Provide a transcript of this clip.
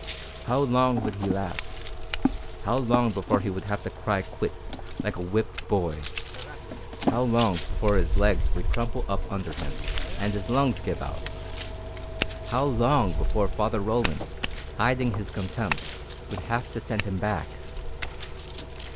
How long would he last? How long before he would have to cry quits, like a whipped boy? How long before his legs would crumple up under him, and his lungs give out? How long before Father Roland, hiding his contempt, would have to send him back?